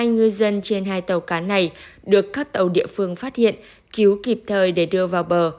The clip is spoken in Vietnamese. hai ngư dân trên hai tàu cá này được các tàu địa phương phát hiện cứu kịp thời để đưa vào bờ